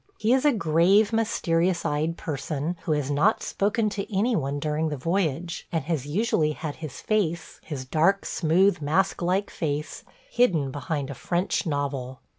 He is a grave, mysterious eyed person, who has not spoken to any one during the voyage, and has usually had his face – his dark, smooth, mask like face – hidden behind a French novel.